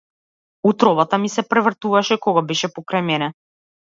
Утробата ми се превртуваше кога беше покрај мене.